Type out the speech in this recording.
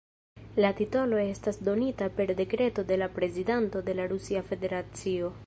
La titolo estas donita per dekreto de la prezidanto de la Rusia Federacio.